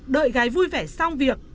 đợi gái vui vẻ xong việc